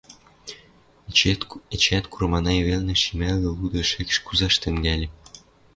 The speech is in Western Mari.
эчеӓт Курманай велнӹ шимӓлгӹ-луды шӹкш кузаш тӹнгӓльӹ.